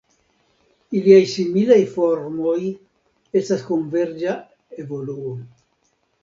Iliaj similaj formoj estas konverĝa evoluo.